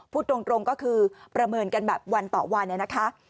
พูดตรงก็คือประเมินกันแบบวันต่อวันนะคะ